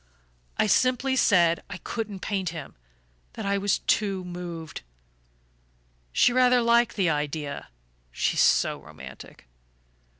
I simply said I couldn't paint him, that I was too moved. She rather liked the idea she's so romantic!